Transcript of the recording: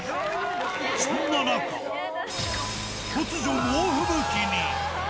そんな中、突如、猛吹雪に。